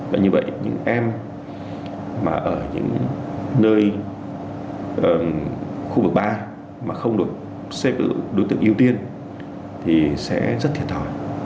và như vậy những em mà ở những nơi khu vực ba mà không được đối tượng ưu tiên thì sẽ rất thiệt thòi